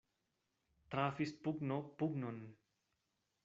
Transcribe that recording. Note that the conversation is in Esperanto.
Trafis pugno pugnon.